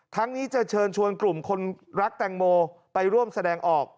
นี้จะเชิญชวนกลุ่มคนรักแตงโมไปร่วมแสดงออก